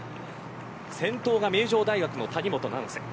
先頭が名城大学の谷本七星。